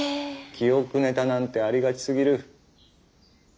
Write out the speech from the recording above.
記憶ネタなんてありがちすぎる。